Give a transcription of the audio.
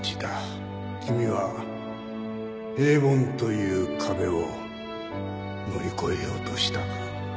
君は平凡という壁を乗り越えようとしたか？